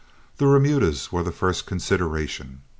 The remudas were the first consideration.